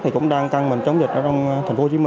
thì cũng đang căng mình chống dịch ở trong tp hcm